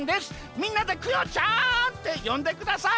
みんなでクヨちゃんってよんでください。